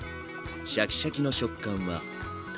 シャキシャキの食感はたまねぎ。